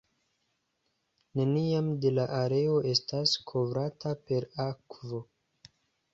Neniom da la areo estas kovrata per akvo.